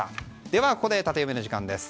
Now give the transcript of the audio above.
ではここでタテヨミの時間です。